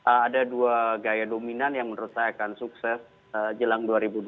ada dua gaya dominan yang menurut saya akan sukses jelang dua ribu dua puluh